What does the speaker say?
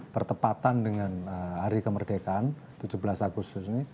pertepatan dengan hari kemerdekaan tujuh belas agustus ini